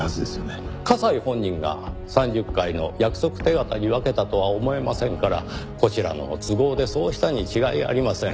加西本人が３０回の約束手形に分けたとは思えませんからこちらの都合でそうしたに違いありません。